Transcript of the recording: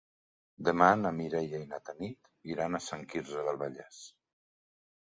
Demà na Mireia i na Tanit iran a Sant Quirze del Vallès.